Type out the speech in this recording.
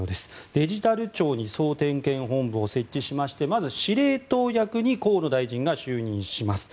デジタル庁に総点検本部を設置しましてまず司令塔役に河野大臣が就任します。